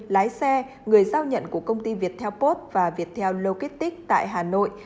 lái xe người giao nhận của công ty viettel post và viettel logistic tại hà nội